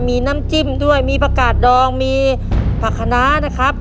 มีน้ำจิ้มด้วยมีผักกาดดองมีผักคณะนะครับ